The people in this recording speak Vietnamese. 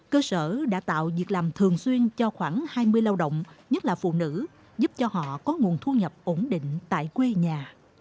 cơ sở đã tạo việc làm thường xuyên cho khoảng hai mươi lao động nhất là phụ nữ giúp cho họ có nguồn thu nhập ổn định tại quê nhà